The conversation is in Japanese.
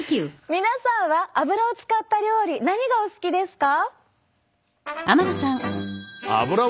皆さんはアブラを使った料理何がお好きですか？